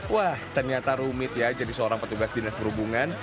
wah ternyata rumit ya jadi seorang petugas dinas perhubungan